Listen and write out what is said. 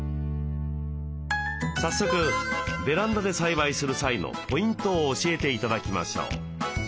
早速ベランダで栽培する際のポイントを教えて頂きましょう。